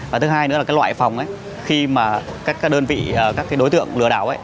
và thứ hai nữa là loại phòng ấy khi mà các đơn vị các đối tượng lừa đảo ấy